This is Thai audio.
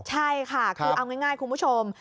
ใช่ค่ะคือเอาง่ายคุณผู้ชม